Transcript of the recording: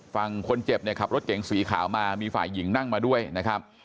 ฝั่งคนเจ็บเนี่ยขับรถเก๋งสีขาวมามีฝ่ายหญิงนั่งมาด้วยนะครับ